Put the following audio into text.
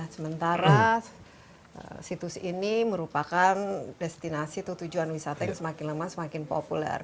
sementara situs ini merupakan destinasi atau tujuan wisata yang semakin lemah semakin populer